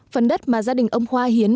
phần đất mà gia đình ông khoa hiến